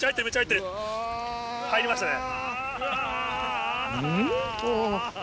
入りましたね。